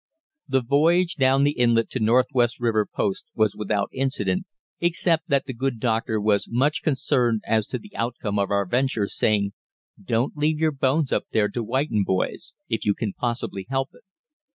The voyage down the inlet to Northwest River Post was without incident, except that the good doctor was much concerned as to the outcome of our venture, saying: "Don't leave your bones up there to whiten, boys, if you can possibly help it."